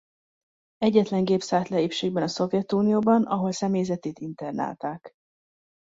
Egyetlen gép szállt le épségben a Szovjetunióban ahol személyzetét internálták.